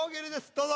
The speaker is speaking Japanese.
どうぞ。